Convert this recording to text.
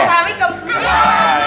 kita mau kabar dulu